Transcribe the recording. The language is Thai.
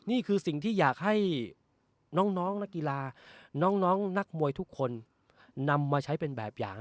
นี่คือสิ่งที่อยากให้น้องนักกีฬาน้องนักมวยทุกคนนำมาใช้เป็นแบบอย่าง